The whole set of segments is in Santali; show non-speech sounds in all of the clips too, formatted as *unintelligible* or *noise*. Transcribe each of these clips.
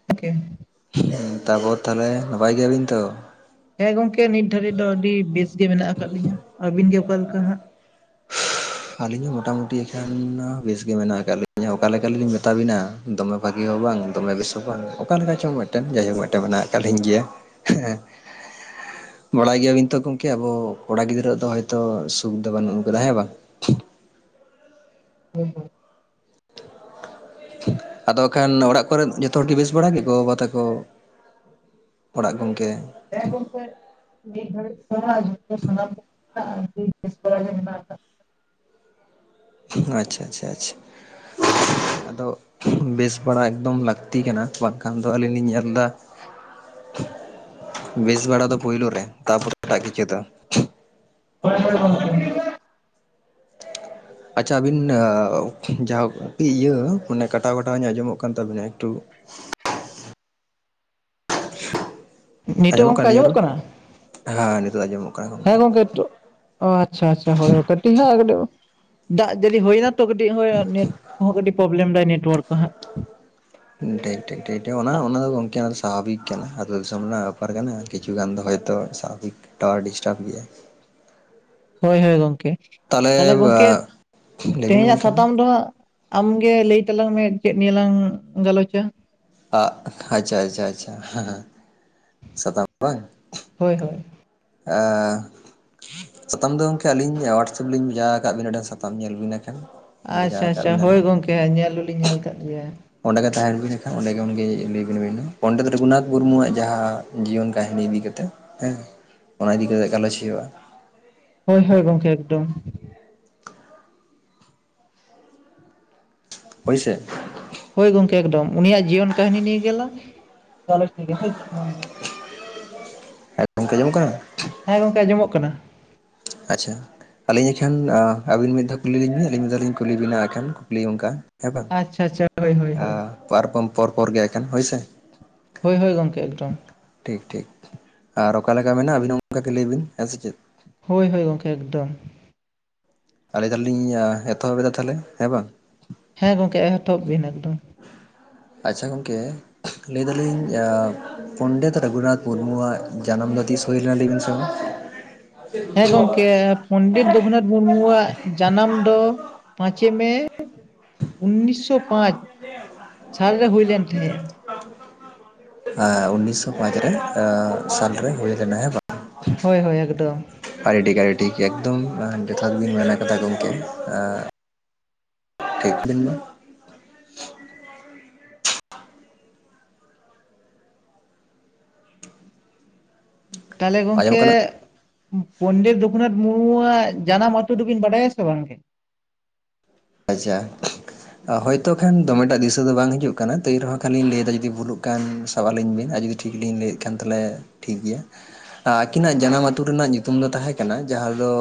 *inaudible* ᱛᱟᱯᱚᱨ ᱛᱟᱦᱚᱞᱮ ᱱᱟᱯᱟᱭ ᱜᱮᱭᱟᱵᱤᱱ ᱛᱚ? ᱦᱮᱸ ᱜᱚᱝᱠᱮ ᱱᱤᱛ ᱫᱷᱟᱹᱵᱤᱡ ᱫᱚ ᱟᱹᱰᱤ ᱵᱮᱥ ᱜᱮ ᱢᱮᱱᱟᱜ ᱟᱠᱟᱫ ᱞᱤᱧᱟ, ᱟᱹᱵᱤᱱ ᱜᱮ ᱚᱠᱟ ᱞᱮᱠᱟ ᱦᱟᱸᱜ? ᱟᱹᱞᱤᱧ ᱦᱚᱸ ᱢᱚᱴᱟᱢᱩᱴᱤ ᱮᱠᱷᱮᱱ ᱵᱮᱥᱜᱮ ᱢᱮᱱᱟᱜ ᱟᱠᱟᱫ ᱞᱤᱧᱟ ᱚᱠᱟ ᱞᱮᱠᱟᱞᱤᱧ ᱢᱮᱛᱟᱵᱤᱱᱟ᱾ ᱫᱚᱢᱮ ᱵᱷᱟᱹᱜᱤ ᱦᱚᱸ ᱵᱟᱝ ᱫᱚᱢᱮ ᱵᱮᱥ ᱦᱚᱸ ᱵᱟᱝ ᱚᱠᱟ ᱞᱮᱠᱟ ᱪᱚᱝ ᱢᱤᱫᱴᱮᱱ ᱡᱟᱭᱦᱳᱠ ᱢᱤᱫᱴᱮᱱ ᱢᱮᱱᱟᱜ ᱟᱠᱟᱫ ᱞᱤᱧᱟ ᱜᱮᱭᱟ᱾ ᱦᱮᱸ᱾ ᱵᱟᱲᱟᱭ ᱜᱮᱭᱟᱵᱤᱱ ᱛᱚ ᱜᱚᱢᱠᱮ ᱟᱵᱚ ᱠᱚᱲᱟ ᱜᱤᱫᱽᱨᱟᱹᱣᱟᱜ ᱫᱚ ᱦᱳᱭᱛᱚ ᱥᱩᱠᱷ ᱫᱚ ᱵᱟᱹᱱᱩᱜ ᱠᱟᱫᱟ ᱦᱮᱸ ᱵᱟᱝ? ᱦᱩᱸ ᱦᱩᱸ᱾ ᱟᱫᱚ ᱠᱷᱟᱱ ᱚᱲᱟᱜ ᱠᱚᱨᱮ ᱡᱚᱛᱚ ᱦᱚᱲ ᱜᱮ ᱵᱮᱥ ᱵᱟᱲᱟ ᱜᱮ ᱜᱚ ᱵᱟᱵᱟ ᱛᱟᱠᱚ ᱚᱲᱟᱜ ᱜᱚᱝᱠᱮ? ᱦᱮ ᱜᱚᱢᱠᱮ᱾ ᱱᱤᱛ ᱫᱷᱟᱤᱡ ᱫᱚ ᱦᱟᱸᱜ ᱡᱚᱛᱚ ᱥᱟᱱᱟᱢ ᱠᱚ ᱜᱮ ᱵᱮᱥ ᱵᱟᱲᱟ ᱜᱮ ᱢᱮᱱᱟᱜ ᱟᱠᱟᱫ ᱞᱮᱭᱟ᱾ ᱟᱪᱪᱷᱟ ᱟᱪᱪᱷᱟ ᱟᱪᱪᱷᱟ ᱟᱫᱚ ᱵᱮᱥ ᱵᱟᱲᱟ ᱮᱠᱫᱚᱢ ᱞᱟᱹᱠᱛᱤ ᱠᱟᱱᱟ ᱵᱟᱝ ᱠᱷᱟᱱ ᱫᱚ ᱟᱹᱞᱤᱧ ᱞᱤᱧ ᱧᱮᱞ ᱮᱫᱟ ᱵᱮᱥ ᱵᱟᱲᱟ ᱫᱚ ᱯᱳᱭᱞᱳ ᱨᱮ ᱛᱟᱯᱚᱨᱮ ᱮᱴᱟᱜ ᱠᱤᱪᱷᱩ ᱫᱚ᱾ ᱦᱳᱭ ᱦᱳᱭ ᱜᱚᱢᱠᱮ᱾ *inaudible* ᱟᱪᱪᱷᱟ ᱟᱹᱵᱤᱱ ᱟᱻ ᱡᱟᱦᱟᱸ ᱤᱭᱟᱹ ᱢᱟᱱᱮ ᱠᱟᱴᱟᱣ ᱠᱟᱴᱟᱣ ᱧᱚᱜ ᱟᱸᱡᱚᱢᱚᱜ ᱠᱟᱱ ᱛᱟᱵᱤᱱᱟ ᱮᱠᱴᱩ ᱱᱤᱛᱚᱜ ᱟᱸᱡᱚᱢᱚᱜ ᱜᱚᱝᱠᱮ ᱠᱟᱱ ᱱᱤᱭᱟᱹ ᱨᱚᱲ, ᱠᱟᱱᱟ ᱦᱮᱸ ᱱᱤᱛᱚᱜ ᱫᱚ ᱟᱸᱡᱚᱢᱚᱜ ᱠᱟᱱᱟ᱾ ᱦᱮᱸ ᱜᱚᱝᱠᱮ ᱛᱚ ᱟᱪᱪᱷᱟ ᱟᱪᱪᱷᱟ ᱦᱳᱭ ᱦᱳ ᱠᱟᱴᱤᱡ ᱦᱟᱸᱜ *unintelligible* ᱫᱟᱜ ᱡᱟᱲᱤ ᱦᱩᱭᱱᱟ ᱛᱚ ᱠᱟᱹᱴᱤᱡ ᱦᱳᱭ ᱱᱮᱴ ᱦᱚᱸ ᱠᱟᱹᱴᱤᱡ ᱯᱨᱚᱵᱽᱞᱮᱢ ᱫᱟᱭ ᱱᱮᱴᱳᱣᱟᱨᱠ ᱦᱟᱸᱜ᱾ ᱴᱷᱤᱠ ᱴᱷᱤᱠ ᱴᱷᱤᱠ ᱚᱱᱟ ᱚᱱᱟ ᱫᱚ ᱜᱚᱝᱠᱮ ᱚᱱᱟ ᱫᱚ ᱥᱟᱵᱷᱟᱵᱤᱠ ᱠᱟᱱᱟ ᱟᱹᱛᱩ ᱫᱤᱥᱚᱢ ᱨᱮᱱᱟᱜ ᱵᱮᱯᱟᱨ ᱠᱟᱱᱟ᱾ ᱠᱤᱪᱷᱩ ᱜᱟᱱ ᱫᱚ ᱦᱚᱭᱛᱚ ᱥᱟᱵᱷᱟᱵᱤᱠ ᱴᱟᱣᱟᱨ ᱰᱤᱥᱴᱟᱵ ᱜᱮᱭᱟ ᱾ ᱦᱳᱭ ᱦᱳᱭ ᱜᱚᱝᱠᱮ ᱛᱟᱦᱚᱞᱮ ᱜᱚᱝᱠᱮ ᱞᱟᱹᱭ ᱵᱤᱱ ᱛᱮᱦᱮᱧᱟᱜ ᱜᱚᱝᱠᱮ ᱢᱟ ᱥᱟᱛᱟᱢ ᱫᱚ ᱦᱟᱸᱜ ᱟᱢ ᱜᱮ ᱞᱮᱭ ᱛᱟᱞᱟᱝ ᱢᱮ ᱪᱮᱫ ᱱᱤᱭᱟᱹ ᱞᱟᱝ ᱜᱟᱞᱚᱪᱟ? ᱟᱜ ᱟᱪᱪᱷᱟ ᱟᱪᱪᱷᱟ ᱟᱪᱪᱷᱟ ᱦᱟ ᱦᱟ ᱥᱟᱛᱟᱢ ᱵᱟᱝ ᱾ ᱦᱳᱭ ᱦᱳᱭ᱾ ᱟᱻ ᱥᱟᱛᱟᱢ ᱫᱚ ᱜᱚᱝᱠᱮ ᱟᱹᱞᱤᱧ ᱦᱳᱣᱟᱴᱥᱮᱯ ᱞᱤᱧ ᱵᱷᱮᱡᱟ ᱟᱠᱟᱫ ᱵᱤᱱᱟ ᱟᱸᱰᱮ ᱥᱟᱛᱟᱢ ᱧᱮᱞ ᱵᱤᱱ ᱮᱱᱠᱷᱮᱱ ᱾ ᱟᱪᱪᱷᱟ ᱟᱪᱪᱷᱟ ᱦᱳᱭ ᱜᱚᱝᱠᱮ ᱦᱟᱸᱜ ᱧᱮᱞ ᱫᱩᱞᱤᱧ ᱧᱮᱞ ᱠᱟᱫ ᱜᱮᱭᱟ ᱾ ᱚᱸᱰᱮᱜᱮ ᱛᱟᱦᱮᱱ ᱵᱤᱱ ᱮᱠᱷᱟᱱ ᱚᱸᱰᱮ ᱜᱮ ᱩᱱᱤᱜᱮ ᱚᱰᱮ ᱜᱮ ᱛᱟᱦᱮᱱ ᱵᱤᱱ ᱱᱟᱜ ᱠᱷᱟᱱ ᱚᱰᱮ ᱜᱮ ᱩᱱ ᱜᱮ ᱞᱮᱭ ᱵᱤᱱ ᱟᱵᱤᱱ ᱫᱚ, ᱯᱚᱱᱰᱤᱛ ᱨᱚᱜᱷᱩᱱᱟᱛᱷ ᱢᱩᱨᱢᱩᱣᱟᱜ ᱡᱟᱦᱟᱸ ᱡᱤᱭᱚᱱ ᱠᱟᱹᱦᱱᱤ ᱤᱫᱤ ᱠᱟᱛᱮᱜ᱾ ᱦᱮᱸ ᱚᱱᱟ ᱤᱫᱤ ᱠᱟᱛᱮ ᱜᱟᱞᱚᱪ ᱦᱳᱭᱳᱜᱼᱟ ᱾ ᱦᱳᱭ ᱦᱳᱭ ᱜᱚᱝᱠᱮ ᱮᱠᱫᱚᱢ ᱾ ᱦᱳᱭ ᱥᱮ ᱾ ᱦᱳᱭ ᱜᱚᱝᱠᱮ ᱮᱠᱰᱚᱢ, ᱩᱱᱤᱭᱟᱜ ᱡᱤᱭᱚᱱ ᱠᱟᱹᱦᱤᱱᱤ ᱱᱤᱭᱮ ᱜᱮᱞᱟᱝ ᱜᱟᱞᱚᱪ ᱞᱮᱜᱮ ᱦᱳᱭ ᱥᱮ ᱾ *unintelligible* ᱦᱮᱸ ᱜᱚᱝᱠᱮ ᱟᱸᱡᱚᱢᱚᱜ ᱠᱟᱱᱟ ᱾ ᱟᱪᱪᱷᱟ ᱟᱹᱞᱤᱧ ᱮᱠᱷᱟᱱᱻ ᱟ ᱟᱵᱤᱱ ᱢᱤᱫ ᱫᱷᱟᱣ ᱠᱩᱞᱤ ᱞᱤᱧᱵᱤᱱ ᱟᱹᱞᱤᱧ ᱢᱤᱫ ᱫᱷᱟᱣᱤᱧ ᱠᱩᱞᱤ ᱵᱤᱱᱟ ᱟᱠᱷᱟᱱ ᱠᱩᱠᱞᱤ ᱚᱝᱠᱟ, ᱦᱮᱸ ᱵᱟᱝ᱾ ᱟᱪᱪᱷᱟ, ᱟᱪᱪᱷᱟ ᱾ ᱟ ᱯᱚᱨ ᱠᱚᱢ ᱯᱚᱨ ᱯᱚᱨ ᱜᱮ ᱮᱜ ᱠᱷᱟᱱ ᱦᱳᱭ ᱥᱮ᱾ ᱦᱳᱭ‌ ᱦᱳᱭ ᱜᱚᱝᱠᱮ ᱮᱠᱫᱚᱢ ᱾ ᱴᱷᱤᱠ ᱴᱷᱤᱠ ᱾ ᱟᱨ ᱚᱠᱟ ᱞᱮᱠᱟ ᱢᱮᱱᱟᱜᱼᱟ ᱟᱹᱵᱤᱱ ᱦᱚᱸ ᱚᱝᱠᱟᱜᱮ ᱞᱟᱹᱭ ᱵᱤᱱ ᱦᱮᱸ ᱥᱮ ᱪᱮᱫ? ᱦᱳᱭ ᱦᱳᱭ ᱜᱚᱝᱠᱮ ᱮᱠᱫᱚᱢ ᱾ ᱟ ᱞᱮᱭ ᱫᱟᱞᱤᱧᱻ ᱮᱛᱚᱦᱚᱵ ᱮᱫᱟ ᱛᱟᱦᱚᱞᱮ ᱦᱮ ᱵᱟᱝ? ᱦᱮᱸ ᱜᱚᱝᱠᱮ ᱮᱦᱚᱛᱚᱵ ᱵᱤᱱ ᱮᱠᱫᱚᱢ ᱾ ᱟᱪᱪᱷᱟ ᱜᱚᱝᱠᱮ? ᱞᱮᱭ ᱫᱟᱞᱤᱧ ᱟᱻ ᱯᱚᱱᱰᱤᱛ ᱨᱚᱜᱷᱩᱱᱟᱛᱷ ᱢᱩᱨᱢᱩᱣᱟᱜ ᱡᱟᱱᱟᱢ ᱫᱚ ᱛᱤᱥ ᱦᱩᱭ ᱞᱮᱱᱟ ᱞᱮᱭᱵᱤᱱ ᱥᱮ ᱢᱟ? *inaudible* ᱦᱮᱸ ᱜᱚᱝᱠᱮ, ᱯᱚᱱᱰᱤᱛ ᱨᱚᱜᱷᱩᱱᱟᱛᱷ ᱢᱩᱨᱢᱩᱣᱟᱜ ᱡᱟᱱᱟᱢ ᱫᱚ ᱯᱟᱸᱪᱮ ᱢᱮ ᱩᱱᱱᱤᱥᱥᱚ ᱯᱟᱸᱪ ᱥᱟᱞᱨᱮ ᱦᱩᱭᱞᱮᱱ ᱛᱟᱦᱮᱸᱜᱼᱟ ᱾ ᱟᱻ ᱩᱱᱱᱤᱥᱥᱚ ᱯᱟᱸᱪᱨᱮ ᱟᱻ ᱥᱟᱞᱨᱮ ᱦᱩᱭ ᱞᱮᱱᱟ ᱦᱮᱸ ᱵᱟᱝ? ᱦᱳᱭ ᱦᱳᱭ ᱮᱠᱫᱚᱢ ᱾ ᱟᱹᱰᱤ ᱴᱷᱤᱠ ᱟᱹᱰᱤ ᱴᱷᱤᱠ ᱮᱠᱫᱚᱢ ᱟᱸ ᱡᱚᱛᱷᱟᱛ ᱵᱤᱱ ᱢᱮᱱ ᱟᱠᱟᱫᱟ ᱜᱚᱝᱠᱮ ᱟᱻ *unintelligible* ᱛᱟᱦᱚᱞᱮ ᱟᱸᱡᱚᱢᱚᱜ ᱜᱚᱝᱠᱮ ᱠᱟᱱᱟ? ᱯᱚᱱᱰᱤᱛ ᱨᱚᱜᱷᱩᱱᱟᱛᱷ ᱢᱩᱨᱢᱩᱣᱟᱜ ᱡᱟᱱᱟᱢ ᱟᱛᱳ ᱫᱚᱵᱤᱱ ᱵᱟᱰᱟᱭᱟ ᱥᱮ ᱵᱟᱝᱜᱮ? ᱟᱪᱪᱷᱟ ᱾ ᱦᱳᱭᱛᱚ ᱠᱷᱟᱱ ᱫᱚᱢᱮᱴᱟᱜ ᱫᱤᱥᱟᱹ ᱫᱚ ᱵᱟᱝ ᱦᱤᱡᱩᱜ ᱠᱟᱱᱟ ᱛᱟᱹᱭ ᱨᱮᱦᱚᱸ ᱠᱷᱟᱱᱞᱤᱧ ᱞᱮᱭᱫᱟ ᱡᱩᱫᱤ ᱵᱷᱩᱞᱩᱜ ᱠᱟᱱ ᱾ ᱥᱟᱵ ᱟᱹᱞᱤᱧ ᱵᱤᱱ ᱟᱨ ᱡᱩᱫᱤ ᱴᱷᱤᱠ ᱞᱤᱧ ᱞᱮᱭᱮᱫ ᱠᱷᱟᱱ ᱛᱟᱦᱚᱞᱮ ᱴᱷᱤᱠ ᱜᱮᱭᱟ ᱾ ᱟᱹᱠᱤᱱᱟᱜ ᱡᱟᱱᱟᱢ ᱟᱹᱛᱩ ᱨᱮᱱᱟᱜ ᱧᱩᱛᱩᱢ ᱫᱚ ᱛᱟᱦᱮᱸ ᱠᱟᱱᱟ ᱡᱟᱦᱟᱸ ᱫᱚ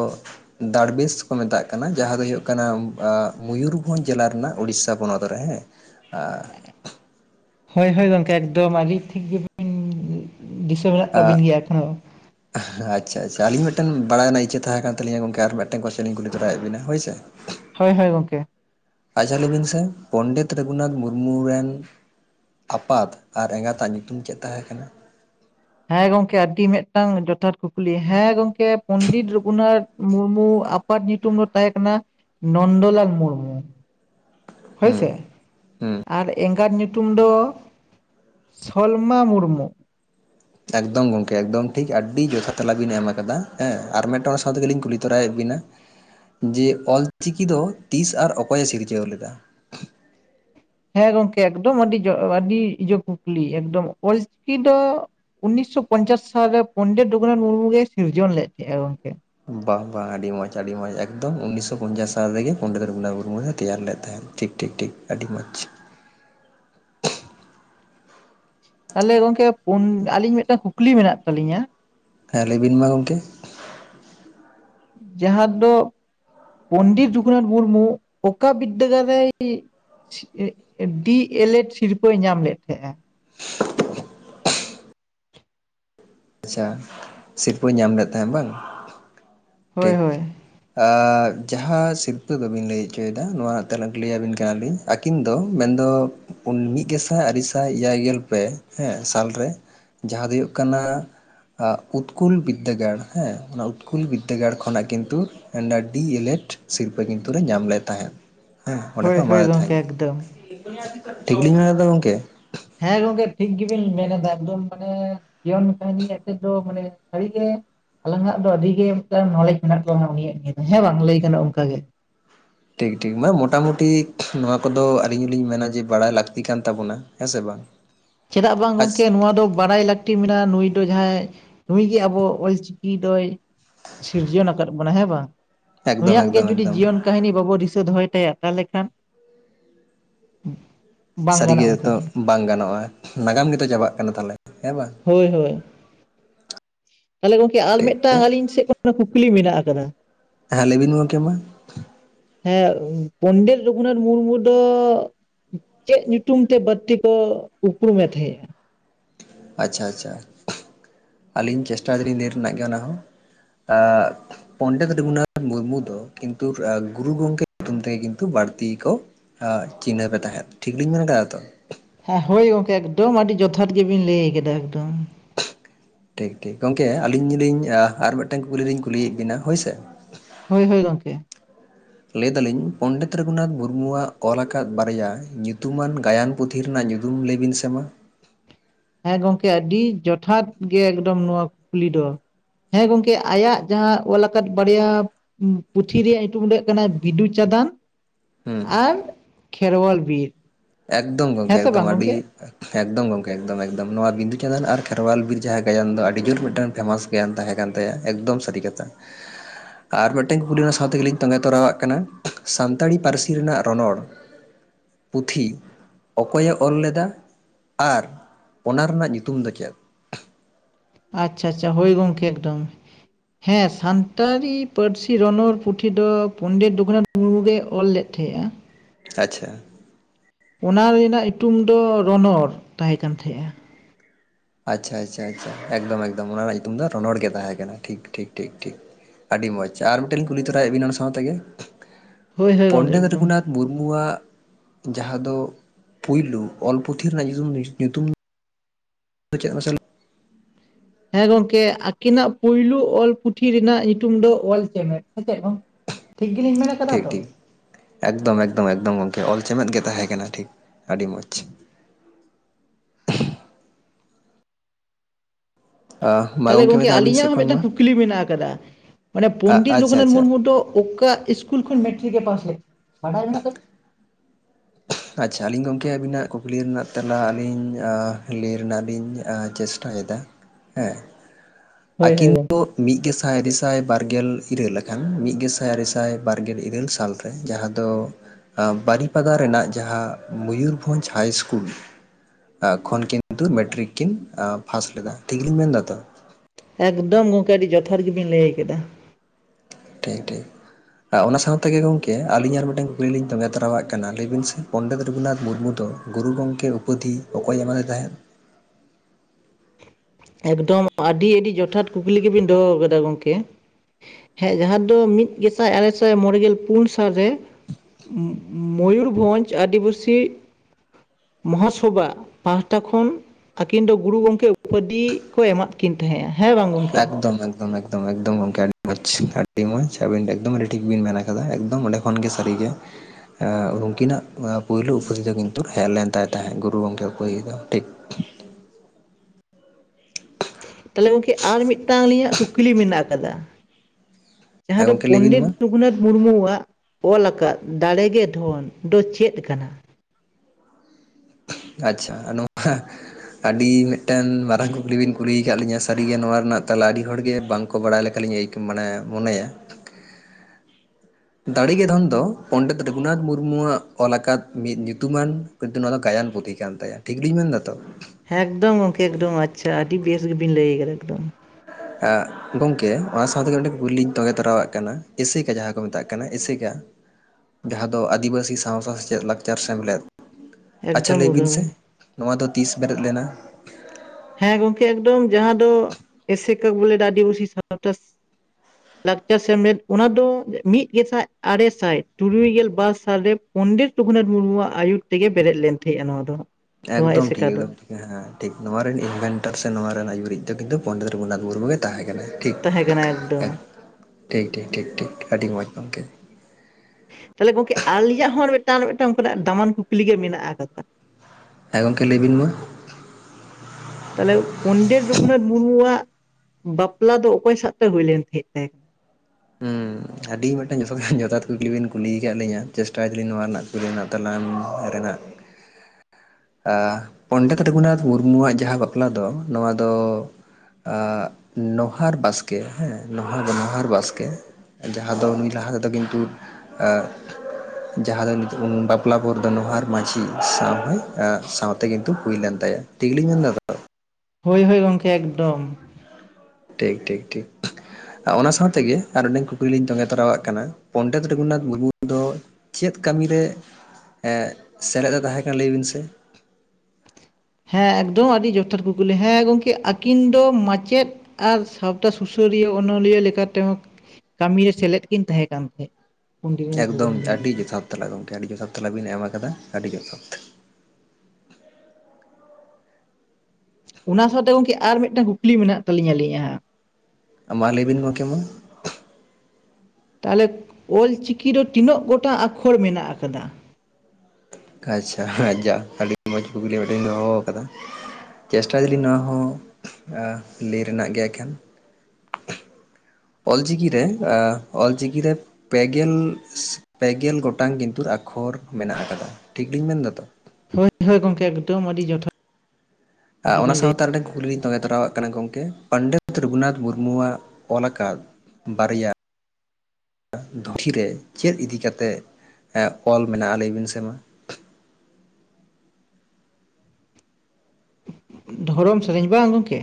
ᱫᱟᱲᱵᱮᱥ ᱠᱚ ᱢᱮᱛᱟᱜ ᱠᱟᱱᱟ ᱡᱟᱦᱟᱸ ᱫᱚ ᱦᱳᱭᱳᱜ ᱠᱟᱱᱟ ᱟ ᱢᱚᱭᱩᱨᱵᱷᱚᱸᱡᱽ ᱡᱮᱞᱟ ᱨᱮᱱᱟᱜ ᱳᱲᱤᱥᱥᱟ ᱯᱚᱱᱚᱛ ᱨᱮ ᱦᱮᱸ ᱾ ᱟᱻ ᱦᱳᱭ ᱦᱳᱭ ᱜᱚᱝᱠᱮ ᱮᱠᱫᱚᱢ ᱟᱹᱰᱤ ᱴᱷᱤᱠ ᱜᱤᱵᱤᱱ ᱫᱤᱥᱟᱹ ᱢᱮᱱᱟᱜ ᱛᱟᱵᱤᱱ ᱜᱮᱭᱟ ᱮᱠᱷᱚᱱᱚ ᱾ *inaudible* ᱟᱪᱪᱷᱟ ᱟᱪᱪᱷᱟ ᱟᱹᱞᱤᱧ ᱢᱮᱫᱴᱮᱱ ᱵᱟᱲᱟᱭ ᱨᱮᱱᱟᱜ ᱤᱪᱪᱷᱟᱹ ᱛᱟᱦᱮᱸ ᱠᱟᱱ ᱛᱟᱹᱞᱤᱧᱟ ᱜᱚᱝᱠᱮ ᱟᱨ ᱢᱮᱫᱴᱮᱱ ᱠᱚᱥᱪᱟᱱ ᱞᱤᱧ ᱠᱩᱞᱤ ᱛᱚᱨᱟᱭᱮᱜ ᱵᱤᱱᱟ ᱦᱳᱭ ᱥᱮ? ᱦᱳᱭ ᱦᱳᱭ ᱜᱚᱝᱠᱮ ᱾ ᱟᱪᱪᱷᱟ ᱞᱟᱹᱭᱵᱤᱱ ᱥᱮ ᱯᱚᱱᱰᱤᱛ ᱨᱚᱜᱷᱩᱱᱟᱛᱷ ᱢᱩᱨᱢᱩ ᱨᱮᱱ ᱟᱯᱟᱛ ᱟᱨ ᱮᱸᱜᱟᱛᱼᱟᱜ ᱧᱩᱛᱩᱢ ᱪᱮᱫ ᱛᱟᱦᱮᱸ ᱠᱟᱱᱟ? ᱦᱮᱸ ᱜᱚᱝᱠᱮ ᱟᱹᱰᱤ ᱢᱮᱜᱴᱟᱝ ᱡᱚᱛᱷᱟᱛ ᱠᱩᱠᱞᱤ, ᱦᱮᱸ ᱜᱚᱝᱠᱮ ᱯᱚᱱᱰᱤᱛ ᱨᱚᱜᱷᱩᱱᱟᱛᱷ ᱢᱩᱨᱢᱩ ᱟᱯ ᱯᱟᱛ‌ ᱧᱩᱛᱩᱢ ᱫᱚ ᱛᱟᱦᱮᱸ ᱠᱟᱱᱟ ᱱᱚᱱᱫᱚᱞᱟᱞ ᱢᱩᱨᱢᱩ ᱦᱳᱭ ᱦᱩᱸ ᱥᱮ ᱦᱩᱸ ᱟᱨ ᱮᱸᱜᱟᱛ ᱧᱩᱛᱩᱢ ᱫᱚ ᱥᱚᱞᱢᱟ ᱢᱩᱨᱢᱩ᱾ ᱮᱠᱫᱚᱢ ᱜᱚᱢᱠᱮ ᱮᱠᱫᱚᱢ ᱴᱷᱤᱠ ᱟᱹᱰᱤ ᱡᱚᱛᱷᱟᱛ ᱛᱮᱞᱟ ᱵᱤᱱ ᱮᱢ ᱠᱟᱫᱟ ᱦᱮᱸ ᱟᱨ ᱢᱤᱫᱴᱟᱝ ᱚᱱᱟ ᱥᱟᱶ ᱛᱮᱜᱮ ᱞᱤᱧ ᱠᱩᱞᱤ ᱛᱚᱨᱟᱭᱮᱫ ᱵᱤᱱᱟ᱾ ᱡᱮ ᱚᱞᱪᱤᱠᱤ ᱫᱚ ᱛᱤᱥ ᱟᱨ ᱚᱠᱚᱭᱮ ᱥᱤᱨᱡᱟᱹᱣ ᱞᱮᱫᱟ? ᱦᱮᱸ ᱜᱚᱝᱠᱮ ᱮᱠᱫᱚᱢ ᱟᱹᱰᱤ ᱡᱚ ᱟᱹᱰᱤ ᱤᱭᱟᱹ ᱠᱩᱠᱞᱤ ᱮᱠᱫᱚᱢ ᱚᱞᱪᱤᱠᱤ ᱫᱚ ᱩᱱᱤᱥᱥᱚ ᱯᱚᱧᱪᱟᱥ ᱥᱟᱞᱨᱮ ᱯᱚᱱᱰᱤᱛ ᱨᱚᱜᱷᱩᱱᱟᱛᱷ ᱢᱩᱨᱢᱩ ᱜᱮᱭ ᱥᱤᱨᱡᱚᱱ ᱞᱮᱫ ᱛᱟᱦᱮᱸᱱᱟ ᱜᱚᱝᱠᱮ᱾ ᱵᱟᱝ ᱵᱟᱝ ᱟᱹᱰᱤ ᱢᱚᱡᱽ ᱟᱹᱰᱤ ᱢᱚᱡᱽ ᱮᱠᱫᱚᱢ ᱩᱱᱱᱤᱥᱥᱚ ᱯᱚᱪᱟᱥ ᱥᱟᱞ ᱨᱮᱜᱮ ᱯᱚᱱᱰᱤᱛ ᱨᱚᱜᱷᱩᱱᱟᱛᱷ ᱢᱩᱨᱢᱩᱭ ᱛᱮᱭᱟᱨ ᱞᱮᱫ ᱛᱟᱦᱮᱸᱫ ᱴᱷᱤᱠ᱾ ᱴᱷᱤᱠ ᱴᱷᱤᱠ ᱟᱹᱰᱤ ᱢᱚᱡᱽ᱾ ᱛᱟᱦᱚᱞᱮ ᱜᱚᱝᱠᱮ ᱯᱳᱱ ᱟᱞᱤᱧ ᱢᱤᱫᱴᱟᱝ ᱠᱩᱠᱞᱤ ᱢᱮᱱᱟᱜ ᱛᱟᱹᱞᱤᱧᱟ᱾ ᱦᱮᱸ ᱞᱟᱹᱭᱵᱤᱱ ᱢᱟ ᱜᱚᱢᱠᱮ᱾ ᱡᱟᱦᱟ ᱫᱚ ᱯᱚᱱᱰᱤᱛ ᱨᱚᱩᱜᱩᱱᱟᱛᱷ ᱢᱩᱨᱢᱩ ᱚᱠᱟ ᱵᱤᱫᱽᱫᱟᱹᱜᱟᱲ ᱨᱮᱭ ᱰᱤ ᱮᱞ ᱮᱰ ᱥᱤᱨᱯᱟᱹᱭ ᱧᱟᱢ ᱞᱮᱫ ᱛᱟᱦᱮᱸᱫᱼᱮ? ᱟᱪᱪᱷᱟ ᱥᱤᱨᱯᱟᱹᱭ ᱧᱟᱢ ᱞᱮᱫ ᱛᱟᱦᱮᱸᱫ ᱵᱟᱝ ᱦᱳᱭ ᱴᱷᱤᱠ᱾ ᱦᱳᱭ ᱡᱟᱦᱟᱸ ᱥᱤᱨᱯᱟᱹ ᱫᱚᱵᱤᱱ ᱞᱟᱹᱭ ᱚᱪᱚᱭᱫᱟ ᱱᱚᱣᱟ ᱛᱮᱞᱟ ᱞᱟᱹᱭ ᱟᱹᱵᱤᱱ ᱠᱟᱱᱟᱞᱤᱧ᱾ ᱟᱹᱠᱤᱱ ᱫᱚ ᱢᱮᱱᱫᱚ ᱩᱱ ᱢᱤᱫ ᱜᱮᱥᱟᱭ ᱟᱨᱮ ᱥᱟᱭ ᱮᱭᱟᱭ ᱜᱮᱞ ᱯᱮ ᱦᱮᱸ ᱥᱟᱞ ᱨᱮ, ᱡᱟᱦᱟᱸ ᱫᱚ ᱦᱩᱭᱩᱜ ᱠᱟᱱᱟ ᱩᱛᱠᱩᱞ ᱵᱤᱫᱽᱫᱟᱹᱜᱟᱲ ᱦᱮᱸ ᱚᱱᱟ ᱩᱛᱠᱩᱞ ᱵᱤᱫᱽᱫᱟᱹᱜᱟᱲ ᱠᱷᱚᱱᱟᱜ ᱠᱤᱱᱛᱩ, ᱰᱤ ᱮᱞ ᱮᱰ ᱥᱤᱨᱯᱟᱹ ᱠᱤᱱᱛᱩᱨᱮ ᱧᱟᱢ ᱞᱮᱫ ᱛᱟᱦᱮᱸᱫ ᱦᱮᱸ ᱚᱸᱰᱮ ᱦᱳᱭ ᱠᱚ ᱦᱳᱭ ᱮᱢᱟᱫᱮ ᱜᱚᱝᱠᱮ ᱛᱟᱦᱮᱸᱫ᱾ ᱮᱠᱫᱚᱢ ᱴᱷᱤᱠᱞᱤᱧ ᱢᱮᱱᱫᱟ ᱜᱚᱢᱠᱮ? ᱦᱮᱸ ᱜᱚᱝᱠᱮ ᱴᱷᱤᱠ ᱜᱮᱵᱤᱱ ᱢᱮᱱ ᱮᱫᱟ ᱮᱠᱫᱚᱢ ᱢᱟᱱᱮ ᱡᱤᱭᱚᱱ ᱠᱟᱹᱦᱱᱤ ᱟᱛᱮ ᱫᱚ ᱢᱟᱱᱮ ᱥᱟᱹᱨᱤᱜᱮ ᱟᱞᱟᱝᱟᱜ ᱫᱚ ᱟᱹᱰᱤ ᱜᱮ ᱢᱤᱫᱴᱟᱝ ᱱᱚᱞᱮᱡᱽ ᱢᱮᱱᱟᱜ ᱛᱟᱞᱟᱝᱟ ᱩᱱᱤᱭᱟᱜ ᱱᱤᱭᱮ ᱫᱚ ᱦᱮᱸ ᱵᱟᱝ ᱞᱟᱹᱭ ᱜᱟᱱᱚᱜ ᱚᱱᱠᱟ ᱜᱮ᱾ ᱴᱷᱤᱠ ᱴᱷᱤᱠ ᱢᱟᱱᱮ ᱢᱚᱴᱟ ᱢᱩᱴᱤ ᱱᱚᱣᱟ ᱠᱚ ᱫᱚ ᱟᱹᱞᱤᱧ ᱦᱚᱸᱞᱤᱧ ᱢᱮᱱᱟ ᱡᱮ ᱵᱟᱲᱟᱭ ᱞᱟᱹᱠᱛᱤ ᱠᱟᱱ ᱛᱟᱵᱚᱱᱟ᱾ ᱦᱮᱸ ᱥᱮ ᱵᱟᱝ? ᱪᱮᱫᱟᱜ ᱵᱟᱝ ᱜᱚᱢᱠᱮ ᱟᱪᱪᱷᱟ ᱱᱚᱣᱟ ᱫᱚ ᱵᱟᱲᱟᱭ ᱞᱟᱹᱠ ᱢᱮᱱᱟᱜᱼᱟ ᱱᱩᱭ ᱫᱚ ᱡᱟᱦᱟᱸᱭ ᱱᱩᱭ ᱜᱮ ᱟᱵᱚ ᱚᱞ ᱪᱤᱠᱤ ᱫᱚᱭ ᱥᱤᱨᱡᱚᱱ ᱟᱠᱟᱫ ᱵᱚᱱᱟ᱾ ᱵᱚᱱᱟ ᱦᱮᱸ ᱵᱟᱝ ᱮᱠᱫᱚᱢ ᱱᱩᱭᱟᱜ ᱜᱮ ᱮᱠᱫᱚᱢ ᱡᱩᱫᱤ ᱮᱠᱫᱚᱢ ᱡᱤᱭᱚᱱ ᱠᱟᱦᱤᱱᱤ ᱵᱟᱵᱚᱱ ᱫᱤᱥᱟᱹ ᱫᱚᱦᱚᱭ ᱛᱟᱭᱟ ᱛᱟᱦᱞᱮ ᱠᱷᱟᱱ, ᱵᱟᱝ ᱥᱟᱹᱨᱤᱜᱮ ᱜᱟᱱᱚᱜᱼᱟ ᱚᱱᱠᱟ ᱛᱚ ᱫᱚ ᱵᱟᱝ ᱜᱟᱱᱚᱜᱼᱟ ᱱᱟᱜᱟᱢ ᱜᱮᱛᱚ ᱪᱟᱵᱟᱜ ᱠᱟᱱᱟ ᱛᱟᱦᱚᱞᱮ ᱦᱮᱸ ᱵᱟᱝ? ᱦᱳᱭ ᱦᱳᱭ, ᱛᱟᱦᱚᱞᱮ ᱜᱚᱝᱠᱮ ᱟᱨ ᱴᱷᱤᱠ ᱜᱮ, ᱢᱤᱫᱴᱟᱝ ᱟᱹᱞᱤᱧ ᱥᱮᱫ ᱠᱷᱚᱱ ᱠᱩᱠᱞᱤ ᱢᱮᱱᱟᱜ ᱟᱠᱟᱫᱟ᱾ ᱦᱮᱸ ᱞᱟᱹᱭ ᱵᱤᱱ ᱜᱚᱢᱠᱮ ᱢᱟ᱾ ᱦᱮᱸ ᱯᱚᱱᱰᱤᱛ ᱨᱚᱜᱷᱩᱱᱟᱛᱷ ᱢᱩᱨᱢᱩ ᱫᱚ ᱪᱮᱫ ᱧᱩᱛᱩᱢ ᱛᱮ ᱵᱟᱹᱲᱛᱤ ᱠᱚ ᱩᱯᱨᱩᱢᱮ ᱛᱟᱦᱮᱸᱫᱼᱟ? ᱟᱪᱪᱷᱟ ᱟᱪᱪᱷᱟ ᱟᱹᱞᱤᱧ ᱪᱮᱥᱴᱟᱭ ᱫᱟᱞᱤᱧ ᱞᱟᱹᱭ ᱨᱮᱱᱟᱜ ᱜᱮ ᱚᱱᱟ ᱦᱚᱸ᱾ ᱟᱨ ᱯᱚᱱᱰᱤᱛ ᱨᱚᱜᱷᱩᱱᱟᱛᱷ ᱢᱩᱨᱢᱩ ᱫᱚ ᱠᱤᱱᱛᱩ ᱜᱩᱨᱩ ᱜᱚᱢᱠᱮ ᱧᱩᱛᱩᱢ ᱛᱮᱜᱮ ᱠᱤᱱᱛᱩ ᱵᱟᱹᱲᱛᱤ ᱠᱚ ᱪᱤᱱᱦᱟᱹᱯᱮ ᱛᱟᱦᱮᱸᱫ᱾ ᱴᱷᱤᱠ ᱞᱤᱧ ᱢᱮᱱ ᱠᱟᱫᱟ ᱛᱚ? ᱦᱮᱸ ᱦᱳᱭ ᱜᱚᱝᱠᱮ ᱮᱠᱫᱚᱢ ᱟᱹᱰᱤ ᱡᱚᱛᱷᱟᱛ ᱜᱮᱵᱤᱱ ᱞᱟᱹᱭ ᱟᱠᱟᱫᱟ ᱮᱠᱫᱚᱢ᱾ ᱴᱷᱤᱠ ᱴᱷᱤᱠ ᱜᱚᱢᱠᱮ ᱟᱹᱞᱤᱧ ᱫᱚ ᱞᱤᱧ ᱟᱨ ᱢᱤᱫᱴᱮᱱ ᱠᱩᱠᱞᱤ ᱞᱤᱧ ᱠᱩᱞᱤᱭᱮᱫ ᱵᱤᱱᱟ ᱦᱳᱭᱥᱮ᱾ ᱦᱳᱭ ᱦᱳᱭ ᱜᱚᱢᱠᱮ᱾ *inaudible* ᱞᱟᱹᱭ ᱫᱟᱞᱤᱧ ᱯᱚᱱᱰᱤᱛ ᱨᱚᱜᱷᱩᱱᱟᱛᱷ ᱢᱩᱨᱢᱩᱣᱟᱜ ᱚᱞ ᱟᱠᱟᱱ ᱵᱟᱨᱭᱟ ᱧᱩᱛᱩᱢᱟᱱ ᱜᱟᱭᱟᱱ ᱯᱩᱛᱷᱤ ᱨᱮᱱᱟᱜ ᱧᱩᱛᱩᱢ ᱞᱟᱹᱭ ᱵᱤᱱ ᱥᱮ ᱢᱟ? ᱦᱮᱸ ᱜᱚᱝᱠᱮ ᱟᱹᱰᱤ ᱡᱚᱛᱷᱟᱛ ᱜᱮ ᱮᱠᱫᱚᱢ ᱱᱚᱣᱟ ᱠᱩᱠᱞᱤ ᱫᱚ᱾ ᱦᱮᱸ ᱜᱚᱝᱠᱮ ᱟᱭᱟᱜ ᱡᱟᱦᱟᱸ ᱚᱞ ᱟᱠᱟᱫ ᱵᱟᱨᱭᱟ ᱯᱩᱛᱷᱤ ᱨᱮᱭᱟᱜ ᱧᱩᱛᱩᱢ ᱫᱚ ᱦᱩᱭᱩᱜ ᱠᱟᱱᱟ ᱵᱤᱸᱫᱩ ᱪᱟᱸᱫᱟᱱ᱾ ᱦᱩᱸ ᱟᱨ ᱠᱷᱮᱨᱣᱟᱞ ᱵᱤᱨ᱾ ᱮᱠᱫᱚᱢ ᱜᱚᱝᱠᱮ ᱦᱮᱸ ᱥᱮ ᱮᱠᱫᱚᱢ ᱵᱟᱝ ᱟᱹᱰᱤ ᱜᱚᱝᱠᱮ ᱮᱠᱫᱚᱢ ᱜᱚᱝᱠᱮ ᱮᱠᱫᱚᱢ ᱮᱠᱫᱚᱢ ᱱᱚᱣᱟ ᱵᱤᱫᱩ ᱪᱟᱸᱫᱟᱱ ᱟᱨ ᱠᱷᱮᱨᱣᱟᱞ ᱵᱤᱨ ᱡᱟᱦᱟᱸ ᱜᱟᱭᱟᱱ ᱫᱚ ᱟᱹᱰᱤ ᱡᱳᱨ ᱢᱤᱫᱴᱟᱝ ᱯᱷᱮᱢᱟᱥ ᱜᱮᱭᱟᱱ ᱛᱟᱦᱮᱸ ᱠᱟᱱ ᱛᱟᱭᱟ ᱮᱠᱫᱚᱢ ᱥᱟᱹᱨᱤ ᱠᱟᱛᱷᱟ ᱾ ᱟᱨ ᱢᱤᱫᱴᱮᱱ ᱠᱩᱠᱞᱤ ᱚᱱᱟ ᱥᱟᱶᱛᱮ ᱜᱮᱞᱤᱧ ᱛᱚᱸᱜᱮ ᱛᱚᱨᱟᱣᱟᱜ ᱠᱟᱱᱟ ᱥᱟᱱᱛᱟᱲᱤ ᱯᱟᱹᱨᱥᱤ ᱨᱮᱱᱟᱜ ᱨᱚᱱᱚᱲ ᱛᱷᱤ ᱚᱠᱚᱭ ᱮ ᱚᱞ ᱞᱮᱫᱟ ᱟᱨ ᱚᱱᱟ ᱨᱮᱱᱟᱜ ᱧᱩᱛᱩᱢ ᱫᱚ ᱪᱮᱫ? ᱟᱪᱪᱷᱟ ᱟᱪᱪᱷᱟ ᱦᱳᱭ ᱜᱚᱝᱠᱮ ᱮᱠᱫᱚᱢ ᱾ ᱦᱮᱸ ᱥᱟᱱᱛᱟᱲᱤ ᱯᱟᱹᱨᱥᱤ ᱨᱚᱱᱚᱲ ᱯᱩᱛᱷᱤ ᱫᱚ ᱯᱚᱱᱰᱤᱛ ᱨᱚᱜᱷᱩᱱᱟᱛᱷ ᱢᱩᱨᱢᱩ ᱜᱮ ᱚᱞ ᱞᱮᱫ ᱛᱷᱮᱼᱟ ᱾ ᱟᱪᱪᱷᱟ ᱾ ᱚᱱᱟ ᱨᱮᱱᱟᱜ ᱤᱩᱛᱩᱢ ᱫᱚ ᱨᱚᱱᱚᱲ ᱛᱟᱦᱮᱸ ᱠᱟᱱ ᱛᱟᱦᱮᱫᱼᱟ᱾ ᱟᱪᱪᱷᱟ ᱟᱪᱪᱷᱟ ᱟᱪᱪᱷᱟ ᱮᱠᱫᱚᱢ ᱮᱠᱫᱚᱢ ᱚᱱᱟ ᱨᱮᱱᱟᱜ ᱧᱩᱛᱩᱢ ᱫᱚ ᱨᱚᱱᱚᱲ ᱜᱮ ᱛᱟᱦᱮᱸ ᱠᱟᱱᱟ ᱴᱷᱤᱠ ᱴᱷᱤᱠ ᱴᱷᱤᱠ ᱴᱷᱤᱠ ᱾ ᱟᱹᱰᱤ ᱢᱚᱡᱽ ᱟᱨ ᱢᱤᱫᱴᱮᱱ ᱞᱤᱧ ᱠᱩᱞᱤ ᱛᱚᱨᱟᱭᱮᱫ ᱵᱤᱱᱟ ᱚᱱᱟ ᱥᱟᱶ ᱛᱮᱜᱮ ᱦᱳᱭ ᱦᱳᱭ ᱜᱚᱝᱠᱮ ᱯᱚᱱᱰᱤᱛ ᱮᱠᱫᱚᱢ ᱨᱚᱜᱷᱩᱱᱟᱛᱷ ᱢᱩᱨᱢᱩᱣᱟᱜ ᱡᱟᱦᱟᱸ ᱫᱚ ᱯᱩᱭᱞᱩ ᱚᱞ ᱯᱩᱛᱷᱤ ᱨᱮᱱᱟᱜ ᱧᱩᱛᱩᱢ ᱧᱩᱛᱩᱢ ᱪᱮᱜ ᱢᱟᱥᱮ ᱞᱟᱹᱭ ᱦᱮᱸ ᱜᱚᱝᱠᱮ ᱟᱹᱠᱤᱱᱟᱜ ᱯᱳᱭᱞᱩ ᱚᱞ ᱯᱩᱛᱷᱤ ᱨᱮᱱᱟᱜ ᱧᱩᱛᱩᱢ ᱫᱚ ᱚᱞ ᱪᱮᱢᱮᱫ ᱥᱮ ᱪᱮᱫ ᱜᱚᱝ ᱴᱷᱤᱠ ᱜᱤᱞᱤᱧ ᱢᱮᱱ ᱠᱟᱫᱟ ᱴᱷᱤᱠ ᱛᱚ? ᱴᱷᱤᱠ ᱮᱠᱫᱚᱢ ᱮᱠᱫᱚᱢ ᱮᱠᱫᱚᱢ ᱜᱚᱝᱠᱮ ᱚᱞ ᱪᱮᱢᱮᱫ ᱜᱮ ᱛᱟᱦᱮᱸ ᱠᱟᱱᱟ ᱴᱷᱤᱠ ᱟᱹᱰᱤ ᱢᱚᱡᱽ ᱾ ᱢᱟ ᱛᱟᱦᱚᱞᱮ ᱜᱚᱢᱠᱮ ᱜᱚᱝᱠᱮ ᱢᱮᱱᱫᱟ ᱟᱹᱵᱤᱱ ᱟᱹᱞᱤᱧᱟᱜ ᱥᱮᱫ ᱦᱚᱸ ᱠᱷᱚᱱ ᱢᱟ ᱢᱤᱫᱴᱟᱝ ᱠᱩᱠᱞᱤ ᱢᱮᱱᱟᱜ ᱠᱟᱫᱟ ᱢᱟᱱᱮ ᱯᱚᱱᱰᱤᱛ ᱟᱪᱪᱷᱟ ᱨᱚᱜᱷᱩᱱᱟᱛᱷ ᱟᱪᱪᱷᱟ ᱢᱩᱨᱢᱩ ᱰᱚ ᱚᱠ ᱠᱟ ᱤᱥᱠᱩᱞ ᱠᱷᱚᱱ ᱢᱮᱴᱨᱤᱠ ᱮ ᱯᱟᱥ ᱞᱮᱫ ᱵᱟᱰᱟᱭ ᱢᱮᱱᱟᱜ ᱛᱟᱢᱟ? ᱟᱪᱪᱷᱟ ᱟᱹᱞᱤᱧ ᱜᱚᱝᱠᱮ ᱟᱹᱵᱤᱱᱟᱜ ᱠᱩᱠᱞᱤ ᱨᱮᱱᱟᱜ ᱛᱮᱞᱟ ᱟᱹᱞᱤᱧ ᱞᱟᱹᱭ ᱨᱮᱱᱟᱜ ᱞᱤᱧ ᱟ ᱪᱮᱥ ᱴᱟᱭ ᱫᱟ ᱦᱮᱸ ᱦᱳᱭ ᱟᱠᱤᱱ ᱦᱳᱭ ᱫᱚ ᱜᱚᱝᱠᱮ ᱢᱤᱫ ᱜᱮᱥᱟᱭ ᱟᱨᱮᱥᱟᱭ ᱵᱟᱨᱜᱮᱞ ᱤᱨᱟᱹᱞ ᱟᱠᱷᱟᱱ ᱢᱤᱫ ᱜᱮᱥᱟᱭ ᱟᱨᱮᱥᱟᱭ ᱵᱟᱨᱜᱮᱞ ᱤᱨᱟᱹᱞ ᱥᱟᱞ ᱾ ᱡᱟᱦᱟᱸ ᱫᱚ ᱵᱟᱨᱤᱯᱟᱫᱟ ᱨᱮᱱᱟᱜ ᱡᱟᱦᱟᱸ ᱢᱚᱭᱩᱨᱵᱷᱚᱸᱡᱽ ᱦᱟᱭ ᱤᱥᱠᱩᱞ ᱟ ᱠᱷᱚᱱ ᱠᱤᱱᱛᱩ ᱢᱮᱴᱨᱤᱠ ᱠᱤᱱ ᱯᱷᱟᱥ ᱞᱮᱫᱟ ᱴᱷᱤᱠ ᱞᱤᱧ ᱢᱮᱱ ᱮᱫᱟ ᱛᱚ? ᱮᱠᱫᱚᱢ ᱜᱚᱝᱠᱮ ᱟᱹᱰᱤ ᱡᱚᱛᱷᱟᱛ ᱜᱮᱵᱤᱱ ᱞᱟᱹᱭ ᱠᱮᱫᱟ ᱾ ᱴᱷᱤᱠ ᱴᱷᱤᱠ ᱾ ᱟᱨ ᱚᱱᱟ ᱥᱟᱶᱛᱮᱜᱮ ᱜᱚᱝᱠᱮ ᱟᱹᱞᱤᱧ ᱟᱨ ᱢᱤᱫᱴᱮᱱ ᱠᱩᱠᱞᱤ ᱞᱤᱧ ᱛᱚᱸᱜᱮ ᱛᱚᱨᱟᱣᱟᱜ ᱠᱟᱱᱟ ᱞᱟᱹᱭᱵᱤᱱ ᱥᱮ ᱯᱚᱱᱰᱤᱛ ᱨᱚᱜᱷᱩᱱᱟᱛᱷ ᱢᱩᱨᱢᱩ ᱫᱚ ᱜᱩᱨᱩ ᱜᱚᱝᱠᱮ ᱩᱯᱟᱹᱫᱷᱤ ᱚᱠᱚᱭ ᱮᱢᱟᱫᱮ ᱛᱟᱦᱮᱸᱫ? ᱮᱠᱫᱚᱢ ᱟᱹᱰᱤ ᱟᱹᱰᱤ ᱡᱚᱛᱷᱟᱴ ᱠᱩᱠᱞᱤ ᱜᱮᱵᱮᱱ ᱫᱚᱦᱚ ᱠᱟᱫᱟ ᱜᱚᱝᱠᱮ ᱾ ᱦᱮᱸ ᱡᱟᱦᱟᱸ ᱫᱚ ᱢᱤᱫ ᱜᱮᱥᱟᱭ ᱟᱨᱮ ᱥᱟᱭ ᱢᱚᱬᱮ ᱜᱮᱞ ᱯᱩᱱ ᱥᱟᱞ ᱨᱮ ᱢᱚᱭᱩᱨᱵᱷᱚᱸᱡᱽ ᱟᱹᱰᱤᱵᱟᱹᱥᱤ ᱢᱚᱦᱟᱥᱚᱵᱷᱟ ᱯᱟᱦᱟᱴᱟ ᱠᱷᱚᱱ ᱟᱹᱠᱤᱱ ᱰᱚ ᱜᱩᱨᱩ ᱜᱚᱝᱠᱮ ᱩᱯᱟᱹᱫᱤ ᱠᱚ ᱮᱢᱟᱜ ᱠᱤᱱ ᱛᱟᱦᱮᱸᱜᱼᱟ ᱦᱮᱸ ᱵᱟᱝ? ᱜᱚᱢᱠᱮ ᱮᱠᱫᱚᱢ ᱮᱠᱫᱚᱢ ᱮᱠ ᱮᱠᱫᱚᱢ ᱮᱠᱫᱚᱢ ᱜᱚᱝᱠᱮ ᱟᱹᱰᱤ ᱢᱚᱸᱡᱽ ᱟᱹᱰᱤ ᱢᱚᱸᱡᱽ ᱟᱹᱵᱤᱱ ᱮᱠᱫᱚᱢ ᱟᱹᱰᱤ ᱴᱷᱤᱠ ᱵᱤᱱ ᱢᱮᱱ ᱠᱟᱫᱟ ᱮᱠᱫᱚᱢ ᱚᱸᱰᱮ ᱠᱷᱚᱱ ᱜᱮ ᱥᱟᱹᱨᱤ ᱜᱮ ᱾ ᱟᱸ ᱩᱱᱠᱤᱱᱟᱜ ᱯᱩᱭᱞᱳ ᱩᱯᱟᱹᱫᱷᱤ ᱫᱚ ᱠᱤᱱᱛᱩ ᱦᱮᱡ ᱞᱮᱱ ᱛᱟᱭ ᱛᱟᱦᱮᱸᱫ ᱜᱩᱨᱩ ᱜᱚᱝᱠᱮ ᱩᱯᱟᱹᱫᱦᱤ ᱫᱚ ᱴᱷᱤᱠ ᱾ ᱛᱟᱦᱞᱮ ᱜᱚᱝᱠᱮ ᱟᱨ ᱢᱤᱫᱴᱟᱝ ᱟᱹᱞᱤᱧᱟᱜ ᱠᱩᱠᱞᱤ ᱢᱮᱱᱟᱜ ᱟᱠᱟᱫᱟ? ᱦᱮᱸ ᱡᱟᱦᱟᱸ ᱫᱚ ᱜᱚᱢᱠᱮ ᱞᱟᱹᱭ ᱵᱤᱱ ᱯᱚᱱᱰᱤᱛ ᱢᱟ ᱨᱚᱜᱷᱩᱱᱟᱛᱷ ᱢᱩᱨᱢᱩᱣᱟᱜ ᱚᱞ ᱟᱠᱟᱜ ᱫᱟᱲᱮᱜᱮ ᱫᱷᱚᱱ ᱫᱚ ᱪᱮᱫ ᱠᱟᱱᱟ? ᱟᱪᱪᱷᱟ ᱱᱚᱣᱟ ᱟᱹᱰᱤ ᱢᱤᱫᱴᱮᱱ ᱢᱟᱨᱟᱝ ᱠᱩᱠᱞᱤ ᱵᱤᱱ ᱠᱩᱞᱤ ᱠᱟᱜ ᱞᱤᱧᱟᱹ ᱥᱟᱹᱨᱤᱜᱮ ᱱᱚᱣᱟ ᱨᱮᱱᱟᱜ ᱛᱟᱞᱟ ᱟᱹᱰᱤ ᱦᱚᱲᱜᱮ ᱵᱟᱝᱠᱚ ᱵᱟᱲᱟᱭ ᱞᱮᱠᱟᱞᱤᱧ ᱟᱹᱭ ᱢᱟᱱᱮ ᱢᱚᱱᱮᱭᱟ ᱾ ᱫᱟᱲᱮᱜᱮ ᱫᱷᱚᱱ ᱫᱚ ᱯᱚᱱᱰᱤᱛ ᱨᱚᱜᱷᱩᱱᱟᱛᱷ ᱢᱩᱨᱢᱩᱣᱟᱜ ᱚᱞ ᱟᱠᱟᱫ ᱢᱤᱫ ᱧᱩᱛᱩᱢᱟᱱ ᱠᱤᱱᱛᱩ ᱱᱚᱣᱟ ᱫᱚ ᱜᱟᱭᱟᱱ ᱯᱩᱛᱷᱤ ᱠᱟᱱ ᱛᱟᱭᱟ ᱴᱷᱤᱠ ᱞᱤᱧ ᱢᱮᱱ ᱫᱟᱛᱚ? ᱮᱠᱫᱚᱢ ᱜᱚᱝᱠᱮ ᱮᱠᱫᱚᱢ ᱟᱪᱪᱷᱟ ᱟᱹᱰᱤ ᱵᱮᱥ ᱜᱮᱵᱤᱱ ᱞᱟᱹᱭ ᱠᱟᱫᱟ ᱮᱠᱫᱚᱢ ᱾ ᱟᱜ ᱜᱚᱝᱠᱮ ᱚᱱᱟ ᱥᱟᱶᱛᱮ ᱢᱤᱫᱴᱮᱱ ᱠᱩᱠᱞᱤ ᱞᱤᱧ ᱛᱚᱸᱜᱮ ᱛᱚᱨᱟᱣᱟᱜ ᱠᱟᱱᱟ ᱮᱥᱮᱠᱟ ᱡᱟᱦᱟᱸ ᱠᱚ ᱢᱮᱛᱟᱜ ᱠᱟᱱᱟ ᱮᱥᱮᱠᱟ ᱡᱟᱦᱟᱸ ᱫᱚ ᱟᱹᱫᱤᱵᱟᱹᱥᱤ ᱥᱟᱶᱛᱟ ᱥᱮᱪᱮᱫ ᱞᱟᱠᱪᱟᱨ ᱥᱮᱢᱞᱮᱫ ᱾ ᱟᱪᱷᱟ ᱮᱠᱫᱚᱢ ᱞᱟᱹᱭ ᱜᱚᱢᱠᱮ ᱵᱤᱱ ᱥᱮ, ᱱᱚᱣᱟ ᱫᱚ ᱛᱤᱥ ᱵᱮᱨᱮᱫ ᱞᱮᱱᱟ? ᱦᱮᱸ ᱜᱚᱝᱠᱮ ᱮᱠᱫᱚᱢ ᱡᱟᱦᱟᱸ ᱫᱚ᱾ ᱮᱥᱮᱠᱟ ᱵᱚᱞᱮᱴ ᱟᱹᱫᱤᱵᱟᱹᱥᱤ ᱥᱟᱶᱛᱟ *inaudible* ᱞᱟᱠᱪᱟᱨ ᱥᱮᱢᱞᱮᱫ ᱚᱱᱟ ᱫᱚ, ᱢᱤᱫ ᱜᱮᱥᱟᱭ ᱟᱨᱮ ᱥᱟᱭ ᱛᱩᱨᱩᱭ ᱜᱮᱞ ᱵᱟᱨ ᱥᱟᱞ ᱨᱮ᱾ ᱯᱚᱱᱰᱤᱛ ᱨᱚᱜᱷᱩᱱᱟᱛᱷ ᱢᱩᱨᱢᱩᱣᱟᱜ ᱟᱹᱭᱩᱨ ᱛᱮ ᱜᱮ ᱵᱮᱨᱮᱫ ᱞᱮᱱ ᱛᱟᱦᱮᱸᱜ-ᱟ ᱱᱚᱣᱟ ᱫᱚ᱾ ᱱᱚᱣᱟ ᱮᱠᱫᱚᱢ ᱴᱷᱤᱠ ᱮᱥᱮᱠᱟ ᱫᱚ ᱮᱫᱚᱢ ᱴᱷᱤᱠ᱾ ᱦᱮᱸ ᱴᱷᱤᱠ ᱱᱚᱣᱟ ᱨᱮᱱ ᱮᱱᱵᱷᱮᱱᱴᱟᱨ ᱥᱮ ᱱᱚᱣᱟ ᱨᱮᱱᱟᱜ ᱟᱹᱭᱩᱨᱤᱡ ᱫᱚ ᱠᱤᱱᱛᱩ ᱯᱚᱸᱱᱰᱮᱛ ᱨᱩᱹᱜᱷᱩᱱᱟᱛ ᱢᱩᱨᱢᱩ ᱜᱮ ᱛᱟᱦᱮᱸ ᱠᱟᱱᱟᱭ᱾ ᱴᱷᱤᱠ ᱛᱟᱦᱮᱸ ᱠᱟᱱᱟ ᱮᱠᱫᱚᱢ ᱴᱷᱤᱠ ᱴᱷᱤᱠ ᱴᱷᱤᱠ ᱴᱷᱤᱠ ᱟᱹᱰᱤ ᱢᱚᱡᱽ ᱜᱚᱝᱠᱮ᱾ ᱛᱟᱦᱚᱸᱞᱮ ᱜᱚᱝᱠᱮ ᱟᱞᱤᱧᱟᱜ ᱦᱚᱸ ᱟᱨ ᱢᱤᱫ ᱴᱟᱝ ᱟᱨ ᱢᱤᱫ ᱴᱟᱝ ᱫᱟᱢᱟᱱ ᱠᱩᱠᱞᱤ ᱜᱮ ᱢᱮᱱᱟᱜ ᱠᱟᱫᱟ? ᱦᱮᱸ ᱜᱚᱝᱠᱮ ᱞᱟᱹᱭ ᱵᱤᱱ ᱢᱟ᱾ ᱛᱟᱦᱚᱸᱞᱮ ᱯᱚᱸᱱᱰᱮᱛ ᱨᱟᱹᱜᱷᱩᱱᱟᱛᱷ ᱢᱩᱨᱢᱩ ᱣᱟᱜ ᱵᱟᱯᱞᱟ ᱫᱚ ᱚᱠᱚᱭ ᱥᱟᱜ ᱛᱮ ᱦᱩᱭ ᱞᱮᱱ ᱛᱟᱦᱮᱸ ᱛᱮ? ᱦᱩᱸ᱾ ᱟᱹᱰᱤ ᱢᱮᱫ ᱴᱮᱡ ᱡᱚᱛᱷᱟᱛ ᱡᱚᱛᱷᱟᱛ ᱠᱩᱠᱞᱤ ᱵᱤᱱ ᱠᱩᱞᱤ ᱠᱟᱫ ᱞᱤᱧᱟᱹ, ᱪᱮᱥᱴᱟᱭ ᱫᱟᱹᱞᱤᱧ ᱱᱚᱣᱟ ᱨᱮᱱᱟᱜ ᱠᱩᱠᱞᱤ ᱨᱮᱱᱟᱜ ᱛᱮᱞᱟ ᱮᱢ ᱨᱮᱱᱟᱜ? ᱟᱻ ᱯᱚᱸᱱᱰᱮᱛ ᱨᱟᱹᱜᱷᱩᱱᱟᱛᱷ ᱢᱩᱨᱢᱩᱣᱟᱜ ᱡᱟᱦᱟᱸ ᱵᱟᱯᱞᱟ ᱫᱚ, ᱱᱚᱣᱟ ᱫᱚ ᱟᱜ ᱱᱦᱟᱨ ᱵᱟᱥᱠᱮ ᱦᱮᱸ ᱱᱦᱟᱨ ᱵᱟᱥᱠᱮ᱾ ᱡᱟᱦᱟᱸ ᱫᱚ ᱱᱩᱭ ᱞᱟᱦᱟ ᱛᱮᱫᱚ ᱠᱤᱱᱛᱩ ᱟᱨ ᱡᱟᱦᱟᱸ ᱫᱚ ᱱᱤᱛᱳᱜ ᱵᱟᱯᱞᱟ ᱯᱚᱨ ᱫᱚ ᱱᱚᱦᱟᱨ ᱢᱟᱡᱷᱤ ᱥᱟᱶ ᱦᱚᱸᱭ ᱥᱟᱶ ᱛᱮ ᱠᱤᱱᱛᱩ ᱦᱩᱭᱞᱱ ᱛᱟᱭᱟ, ᱴᱷᱤᱠᱞᱤᱧ ᱢᱮᱱ ᱫᱟ ᱛᱚ᱾ ᱦᱳᱭ ᱦᱳᱭ ᱜᱚᱝᱠᱮ ᱮᱠᱫᱚᱢ᱾ ᱴᱷᱤᱠ ᱴᱷᱤᱠ ᱴᱷᱤᱠ᱾ ᱚᱱᱟ ᱥᱟᱶ ᱛᱮᱜᱮ ᱟᱨ ᱢᱮᱫ ᱴᱮᱱ ᱠᱩᱠᱞᱤ ᱞᱤᱧ ᱛᱚᱸᱜᱮ ᱛᱚᱨᱟᱣᱟᱜ ᱠᱟᱱᱟ᱾ ᱯᱚᱸᱱᱰᱮᱛ ᱨᱟᱹᱜᱷᱩᱱᱟᱛᱷ ᱢᱩᱨᱢᱩ ᱫᱚ᱾ ᱪᱮᱫ ᱠᱟᱹᱢᱤᱨᱮ, ᱮ ᱥᱮᱞᱮᱫᱮ ᱛᱟᱦᱮᱸ ᱠᱟᱱᱟ ᱞᱟᱹᱭ ᱵᱤᱱ ᱥᱮ? ᱦᱮᱸ ᱮᱠᱫᱚᱢ ᱟᱹᱰᱤ ᱡᱚᱛᱷᱟᱛ ᱠᱩᱠᱞᱤ, ᱦᱮᱸ ᱜᱚᱝᱠᱮ ᱟᱹᱠᱤᱱ ᱫᱚ ᱢᱟᱪᱮᱫ ᱟᱨ ᱥᱟᱶᱛᱟ ᱥᱩᱥᱟᱹᱨᱤᱭᱟᱹ ᱚᱱᱚᱞᱤᱭᱟᱹ ᱞᱮᱠᱟ ᱛᱮᱦᱚᱸ ᱠᱟᱹᱢᱤ ᱨᱮ ᱥᱮᱞᱮᱫ ᱠᱤᱱ ᱛᱟᱦᱮᱸ ᱠᱟᱱ ᱛᱟᱦᱮᱸᱫ᱾ ᱯᱚᱸᱱᱰᱮᱛ ᱨᱟᱹᱜᱷᱩᱱᱟᱛᱷ ᱢᱩᱨᱢᱩ᱾ ᱛᱟᱦᱚᱸᱞᱮ ᱜᱚᱝᱠᱮ ᱟᱰᱤ ᱡᱚᱛᱷᱟᱛ ᱛᱮᱞᱟ ᱵᱤᱱ ᱮᱢ ᱟᱠᱟᱫᱟ ᱟᱹᱰᱤ ᱡᱚᱛᱷᱟᱛ᱾ ᱚᱱᱟ ᱥᱟᱶᱛᱮ ᱜᱚᱝᱠᱮ ᱟᱨ ᱢᱤᱫ ᱴᱟᱝ ᱠᱩᱠᱞᱤ ᱢᱮᱱᱟᱜ ᱛᱟᱹᱞᱤᱧᱟ ᱟᱹᱞᱤᱧᱟᱜ᱾ ᱢᱟ ᱞᱟᱹᱭ ᱵᱤᱱ ᱜᱚᱝᱠᱮ ᱢᱟ᱾ ᱛᱟ ᱦᱚᱸᱞᱮ ᱚᱞ ᱪᱤᱠᱤ ᱫᱚ ᱛᱤᱱᱟᱹᱜ ᱜᱚᱴᱟᱝ ᱟᱠᱷᱚᱨ ᱢᱮᱱᱟᱜ ᱟᱠᱟᱫᱟ? ᱟᱪᱪᱷᱟ ᱦᱟ ᱡᱟ ᱟᱹᱰᱤ ᱢᱚᱡᱽ ᱠᱩᱠᱞᱤ ᱢᱤᱫᱴᱮᱱᱤᱧ ᱫᱚᱦᱚᱸ ᱠᱟᱫᱟ᱾ ᱪᱮᱥᱴᱟᱭ ᱫᱟᱞᱤᱧ ᱱᱚᱣᱟ ᱦᱚᱸ, ᱟ ᱞᱟᱹᱭ ᱨᱮᱱᱟᱜ ᱜᱮ ᱟᱠᱷᱟᱱ᱾ ᱚᱞ ᱪᱤᱠᱤ ᱨᱮ ᱟ ᱚᱞ ᱪᱤᱠᱤ ᱨᱮ ᱯᱮᱜᱮᱞ, ᱯᱮᱜᱮᱞ ᱜᱚᱴᱟᱝ ᱠᱤᱱᱛᱩᱱ ᱟᱠᱷᱚᱨ ᱢᱮᱱᱟᱜ ᱠᱟᱫᱟ, ᱴᱷᱤᱠᱞᱤᱧ ᱢᱮᱱ ᱫᱟᱛᱚ᱾ ᱦᱳᱭ ᱦᱳᱭ ᱜᱚᱝᱠᱮ ᱮᱠᱫᱚᱢ ᱟᱹᱰᱤ ᱡᱚᱛᱷᱟᱛ᱾ ᱟ ᱚᱱᱟ ᱜᱮᱵᱤᱱ ᱞᱟᱹᱭ ᱥᱟᱶᱛᱮ ᱟᱨ ᱢᱤᱫ ᱠᱩᱞᱤ ᱞᱤᱧ ᱛᱚᱸᱜᱮ ᱛᱚᱨᱟᱣᱟᱜ ᱠᱟᱱᱟ ᱜᱚᱝᱠᱮ, ᱯᱚᱸᱱᱰᱮᱛ ᱨᱟᱹᱜᱷᱩᱱᱟᱛᱷ ᱢᱩᱨᱢᱩᱣᱟᱜ ᱚᱞ ᱟᱠᱟᱫ ᱵᱟᱨᱭᱟ ᱫᱷᱩᱛᱤ ᱨᱮ, ᱪᱮᱫ ᱤᱫᱤ ᱠᱟᱛᱮᱫ ᱮ ᱚᱞ ᱢᱮᱱᱟᱜ-ᱟ ᱞᱟᱹᱭ ᱵᱤᱱ ᱥᱮ ᱢᱟ? ᱫᱷᱚᱨᱚᱢ ᱥᱮᱨᱮᱸᱧ ᱵᱟᱝ ᱜᱚᱝᱠᱮ᱾